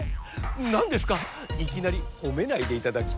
⁉何ですかいきなりほめないでいただきたい！